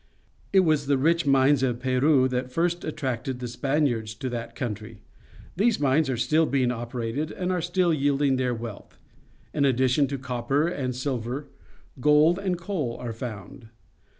It was the rich mines of Peru that first attracted the Spaniards to that country. These mines are still being operated and are still yielding their wealth. In addition to copper and silver, gold and coal are foimd.